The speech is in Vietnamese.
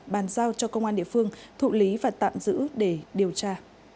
bàn giao cho công an địa phương thụ lý và tạm giữ để điều tra